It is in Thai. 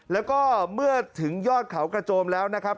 แล้วก็เมื่อถึงยอดเขากระโจมแล้วนะครับ